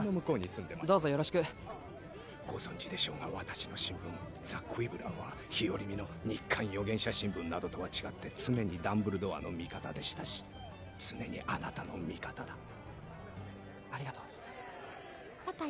どうぞよろしくご存じでしょうが私の新聞ザ・クィブラーは日和見の日刊預言者新聞などとは違って常にダンブルドアの味方でしたし常にあなたの味方だありがとうパパ